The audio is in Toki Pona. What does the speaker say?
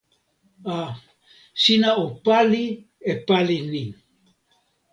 a. sina o pali e pali ni!